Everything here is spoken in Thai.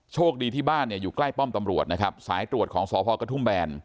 โชคดีที่บ้านอยู่ใกล้ป้อมตำรวจศาลตรวจของสภขธุมแบน